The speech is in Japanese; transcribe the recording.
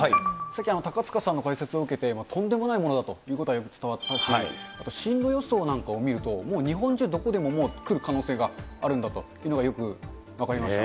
さっき高塚さんの解説を受けてとんでもないものだということがよく伝わったんですけど、あと進路予想なんかを見ると、見ると、もう日本中どこでも来る可能性があるんだというのがよく分かりま